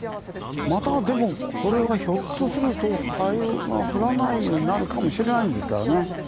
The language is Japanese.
またでもこれはひょっとすると灰が降らないようになるかもしれないんですからね。